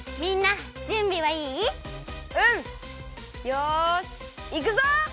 よしいくぞ！